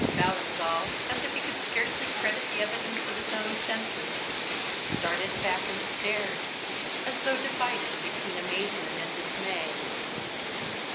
Ballingall, as if he could scarcely credit the evidence of his own senses, started back and stared, as though divided between amazement and dismay.